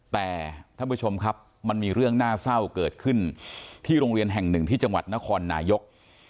แต่ท่านผู้ชมครับมันมีเรื่องน่าเศร้าเกิดขึ้นที่โรงเรียนแห่งหนึ่งที่จังหวัดนครนายก